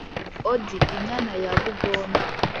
odi inyana ya bu, gondo